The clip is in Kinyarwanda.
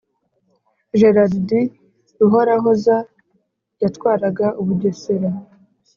Gerardi Ruhorahoza yatwaraga Ubugesera.